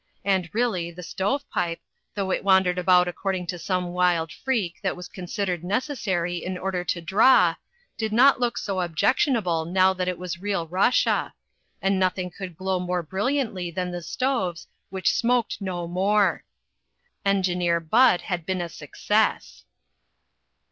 And really, the stove pipe, though it wandered about according to some wild freak that was considered neces sary in order to "draw," did not look so objectionable now that it was real Russia > and nothing could glow more brilliantly than the stoves, which smoked no more. Engineer Bud had been a success.